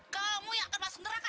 kamu yang akan masuk neraka